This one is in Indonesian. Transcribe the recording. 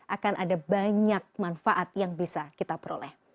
akan ada banyak manfaat yang bisa kita peroleh